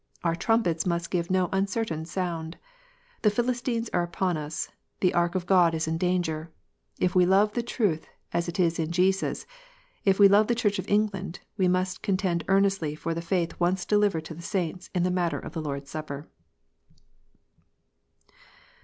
Our trumpets must give no uncertain sound. The Philistines are upon us. The ark of God is in danger. If we love the truth as it is in Jesus, if we love the Church of England, we must contend earnestly for the faith once delivered to the saints in the matter of the Lord s Supper.